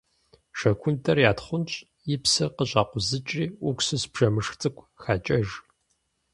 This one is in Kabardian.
Жэгундэр ятхъунщӏ, и псыр къыщӏакъузыкӏри, уксус бжэмышх цӏыкӏу хакӏэж.